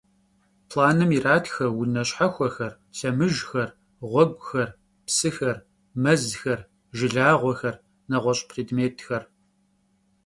Planım yiratxe vune şhexuexer, lhemıjjxer, ğueguxer, psıxer, mezxer, jjılağuexer, neğueş' prêdmêtxer.